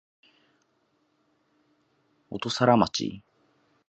北海道音更町